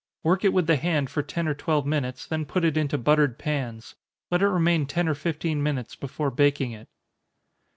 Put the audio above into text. Work it with the hand for ten or twelve minutes, then put it into buttered pans. Let it remain ten or fifteen minutes before baking it.